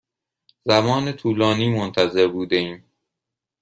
زمان طولانی منتظر بوده ایم.